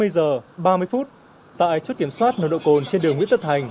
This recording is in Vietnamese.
hai mươi giờ ba mươi phút tại chốt kiểm soát nồng độ cồn trên đường nguyễn tất thành